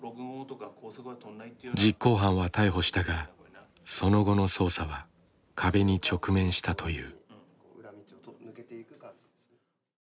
実行犯は逮捕したがその後の捜査は壁に直面したという。